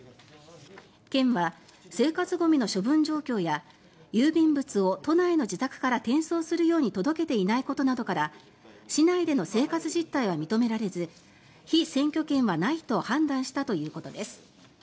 県は生活ゴミの処分状況や郵便物を都内の自宅から転送するように届けていないことなどから市内での生活実態は認められず被選挙権はないと判断したということです。